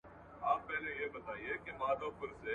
مخکي تر مخکي، دې ته اړتیا ده چي خلک په پروژه کې فعاله سي.